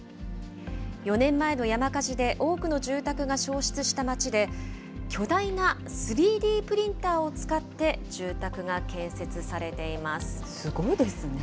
４年前の山火事で多くの住宅が焼失した町で、巨大な３Ｄプリンターを使って住宅が建設されていますごいですね。